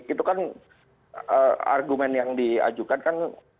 itu kan argumen yang diajukan kan